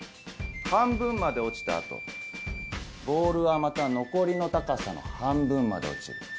半分まで落ちた後ボールはまた残りの高さの半分まで落ちる。